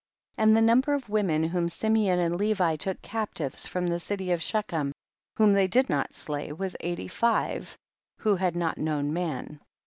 And the number of women whom Simeon and Levi took cap tives from the city of Shechem, whom they did not slay, was eighty five who had not known man.